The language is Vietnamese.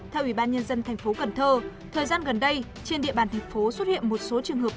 theo ủy ban nhân dân thành phố cần thơ thời gian gần đây trên địa bàn thành phố xuất hiện một số trường hợp